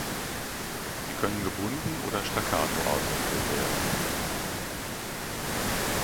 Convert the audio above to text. Sie können gebunden oder staccato ausgeführt werden.